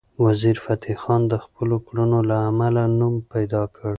وزیرفتح خان د خپلو کړنو له امله نوم پیدا کړ.